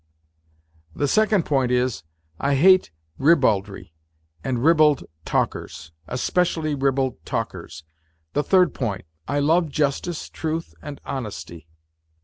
" The second point is : I hate ribaldry and ribald talkers. Especially ribald talkers ! The third point : I love justice, truth and honesty."